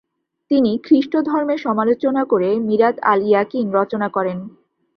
তিনি খ্রিস্টধর্মের সমালোচনা করে মিরাত আল-ইয়াকিন রচনা করেন।